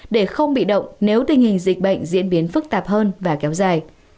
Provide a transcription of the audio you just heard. để không bị động nếu tình hình dịch bệnh diễn biến phức tạp hơn và kéo dài